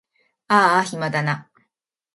あーあ暇だな